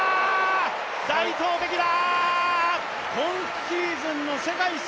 大投てきだ！